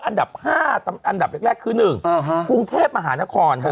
อันดับ๕อันดับแรกคือ๑ภูมิเทพฯมหานครครับ